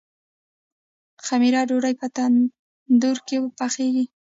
خمیره ډوډۍ په تندور کې پخیږي.